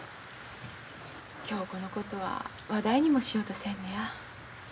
恭子のことは話題にもしようとせんのや。